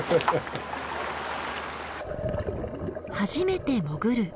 初めて潜る海。